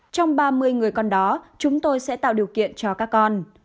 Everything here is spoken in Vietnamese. trong ba mươi người con đó chúng tôi sẽ tạo điều kiện cho các con